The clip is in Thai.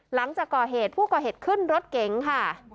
หลังจากก่อเหตุผู้ก่อเหตุขึ้นรถเก๋งค่ะ